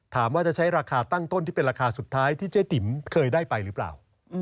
ถามว่าจะใช้ราคาตั้งต้นที่เป็นราคาสุดท้ายที่เจ๊ติ๋มเคยได้ไปหรือเปล่า